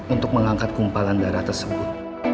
untuk mengangkat kumpalan darah tersebut